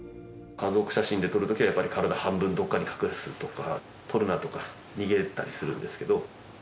家族写真で撮る時はやっぱり体半分どっかに隠すとか撮るなとか逃げたりするんですけど。